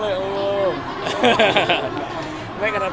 ก็มีบ้างเริ่มทำแล้ว